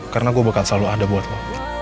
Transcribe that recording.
karena gue bakal selalu ada buat lo